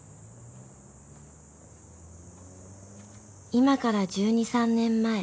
［今から１２１３年前］